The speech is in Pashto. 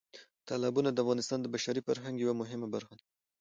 تالابونه د افغانستان د بشري فرهنګ یوه مهمه برخه ده.